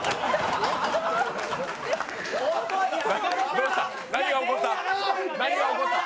どうした？